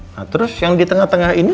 nah terus yang di tengah tengah ini